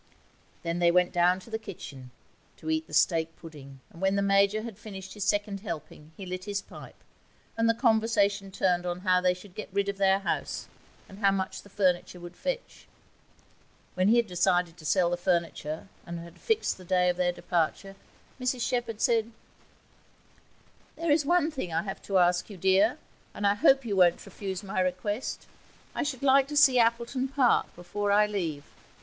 Then they went down to the kitchen to eat the steak pudding; and when the Major had finished his second helping he lit his pipe, and the conversation turned on how they should get rid of their house, and how much the furniture would fetch. When he had decided to sell the furniture, and had fixed the day of their departure, Mrs Shepherd said 'There's one thing I have to ask you, dear, and I hope you won't refuse my request. I should like to see Appleton Park before I leave.